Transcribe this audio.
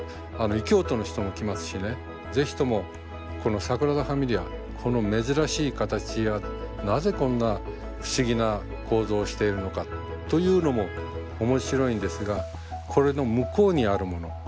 ぜひともこのサグラダ・ファミリアこの珍しい形やなぜこんな不思議な構造をしているのかというのも面白いんですがこれの向こうにあるもの